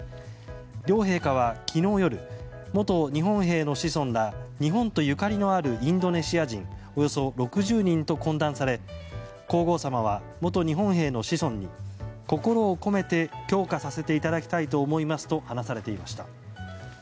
両陛下は、昨日夜元日本兵の子孫ら日本とゆかりのあるインドネシア人およそ６０人と懇談され皇后さまは、元日本兵の子孫に心を込めて供花させていただきたいと思いますと話されていました。